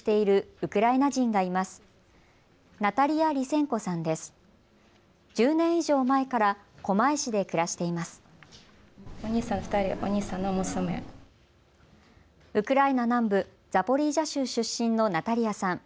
ウクライナ南部ザポリージャ州出身のナタリアさん。